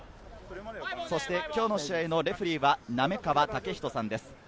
今日の試合のレフェリーは滑川剛人さんです。